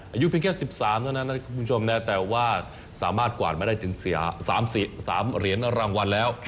อายุเพียงแค่๑๓เท่านั้นนะครับคุณผู้ชมนะแต่ว่าสามารถกวาดมาได้ถึง๓เหรียญรางวัลแล้ว